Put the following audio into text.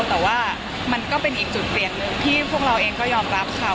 แต่ว่ามันก็เป็นอีกจุดเปลี่ยนหนึ่งที่พวกเราเองก็ยอมรับค่ะ